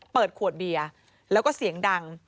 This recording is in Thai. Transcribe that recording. เปิดขวดเบียร์แล้วก็เสียงดัง